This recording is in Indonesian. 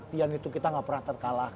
dari latihan itu kita gak pernah terkalahkan